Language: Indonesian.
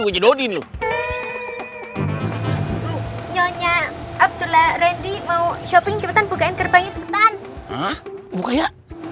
nyonya abdullah reddy mau shopping cepetan bukaan kerbang cepetan buka ya